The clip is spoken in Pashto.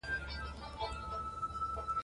دلته زورور او کمزوری کار دی